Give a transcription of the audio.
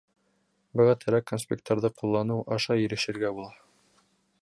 Быға терәк конспекттарҙы ҡулланыу аша ирешергә була.